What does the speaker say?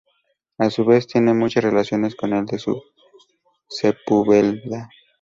A su vez tiene muchas relaciones con el de Sepúlveda.